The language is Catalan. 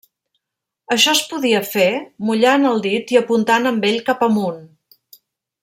Això es podia fer mullant el dit i apuntant amb ell cap amunt.